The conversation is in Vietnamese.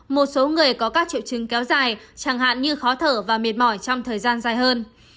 một số người có các triệu chứng kéo dài chẳng hạn như khó thở và mệt mỏi trong thời gian dài hơn